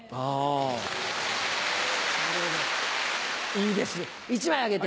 いいです１枚あげて。